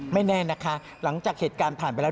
ไม่แน่นะคะหลังจากเหตุการณ์ผ่านไปแล้ว